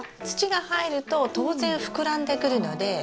土が入ると当然膨らんでくるので。